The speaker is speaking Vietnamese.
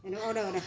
nó order này